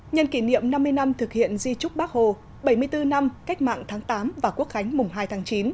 nhân kỷ niệm năm mươi năm thực hiện di trúc bác hồ bảy mươi bốn năm cách mạng tháng tám và quốc khánh mùng hai tháng chín